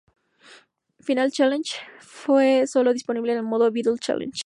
Final Challenge-Solo disponible en el modo Beetle Challenge.